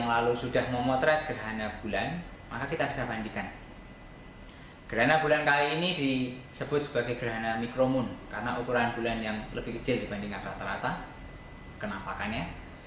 gerhana bulan kali ini disebut sebagai gerhana mikromoon karena ukuran bulan yang lebih kecil dibandingkan rata rata kenampakannya